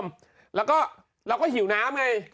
เช็ดแรงไปนี่